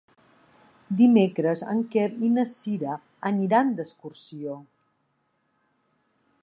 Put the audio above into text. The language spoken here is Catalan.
Dimecres en Quer i na Cira aniran d'excursió.